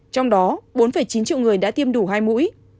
trong đó bốn chín triệu người đã tiêm đủ hai mũi